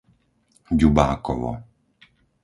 Ďubákovo